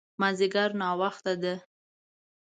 مازديګر ناوخته ده